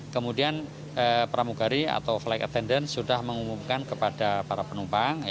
kemudian pramugari atau flight attendance sudah mengumumkan kepada para penumpang